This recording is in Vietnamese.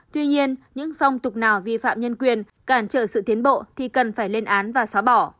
tuy nhiên những phong tục nào vi phạm nhân quyền cản trợ sự tiến bộ thì cần phải lên án và xóa bỏ